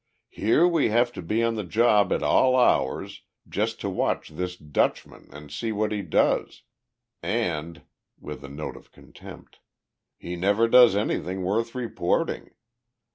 "Here we have to be on the job at all hours, just to watch this Dutchman and see what he does. And," with a note of contempt, "he never does anything worth reporting.